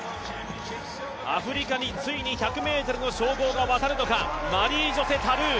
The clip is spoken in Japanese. アフリカについに１００ｍの称号が渡るのか、マリー・ジョセ・タルー。